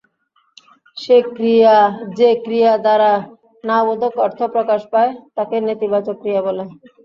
যে ক্রিয়া দ্বারা না-বোধক অর্থ প্রকাশ পায় তাকে নেতিবাচক ক্রিয়া বলে।